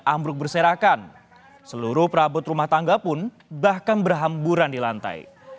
ambruk berserakan seluruh perabot rumah tangga pun bahkan berhamburan di lantai